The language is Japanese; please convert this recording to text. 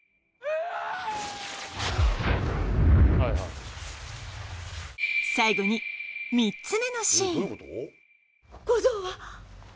はいはい最後に３つ目のシーン小僧は？